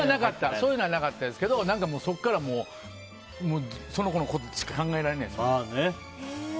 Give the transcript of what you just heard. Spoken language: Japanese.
そういうのはなかったですけどそこから、その子のことしか考えられないですよ。